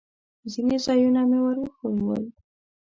ځینې ځایونه مې ور وښوول.